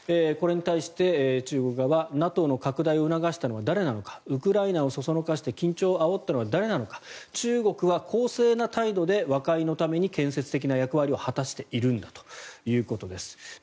これに対して中国側ＮＡＴＯの拡大を促したのは誰なのかウクライナをそそのかして緊張をあおったのは誰なのか中国は公正な態度で和解のために建設的な役割を果たしているんだということです。